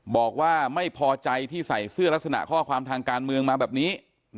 บอกว่าไม่พอใจที่ใส่เสื้อลักษณะข้อความทางการเมืองมาแบบนี้